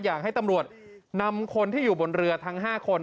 อยากให้ตำรวจนำคนที่อยู่บนเรือทั้ง๕คน